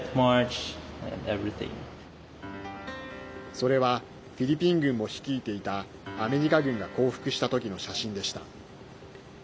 それはフィリピン軍も率いていたアメリカ軍が降伏した時の写真でした。